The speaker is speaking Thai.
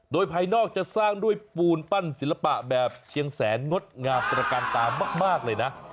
โดยภายนอกจะสร้างด้วยปูนปั้นศิลปะแบบเชียงแสนงดงามตระการตามากเลยนะ